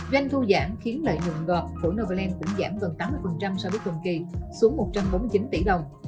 doanh thu giảm khiến lợi nhuận gọt của novaland cũng giảm gần tám mươi so với cùng kỳ xuống một trăm bốn mươi chín tỷ đồng